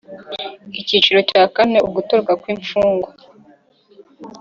Icyiciro cya kane Ugutoroka kw imfungwa